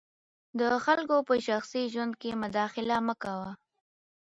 د خلګو په شخصي ژوند کي مداخله مه کوه.